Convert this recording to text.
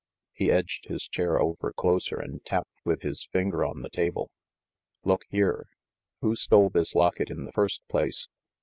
He edged his chair over closer and tapped with his finger on the table. "Look here! Who stole this locket in the first place?